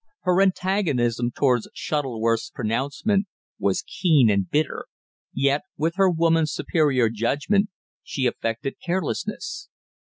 Her antagonism towards Shuttleworth's pronouncement was keen and bitter, yet, with her woman's superior judgment, she affected carelessness.